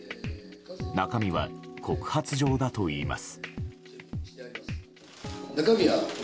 中身は告発状だといいます。